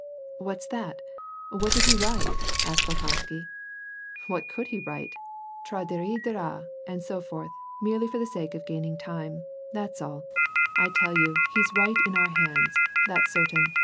" What's that ? What did he write ?" asked Bolkonsky. " What could he write ? Tradiridira and so forth, merely for the sake of gaining time ; that's all. I tell you, he's right in our hands ; that's certain